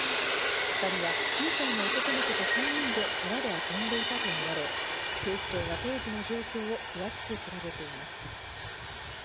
２人は９歳の男の子と３人で川で遊んでいたとみられ、警視庁が当時の状況を詳しく調べています。